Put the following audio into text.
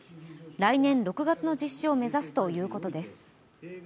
来年６月の実施を目指すということです。